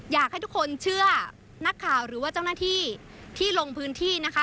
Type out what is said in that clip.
อยากให้ทุกคนเชื่อนักข่าวหรือว่าเจ้าหน้าที่ที่ลงพื้นที่นะคะ